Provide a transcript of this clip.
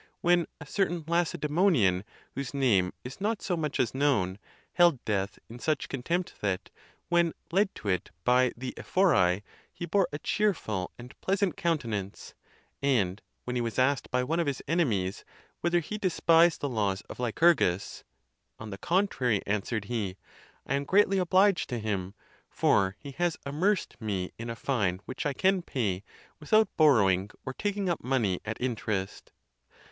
when a certain Lacedzmo nian, whose name is not so much as known, held death in such contempt, that, when led to it by the ephori, he bore a cheerful and pleasant countenance; and, when he was asked by one of his enemies whether he despised the laws of Lycurgus, " On the contrary," answered he, "I am greatly obliged to him, for he has amerced me in a fine which I can pay without borrowing, or taking up money at interest."